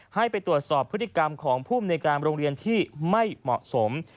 ให้ไปตรวจสอบพฤติกรรมของภูมิในการโรงเรียนที่ไม่เหมาะสม